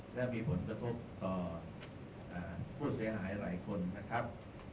และมีผลกระทบต่อผู้เสียหายหลายคนนะครับ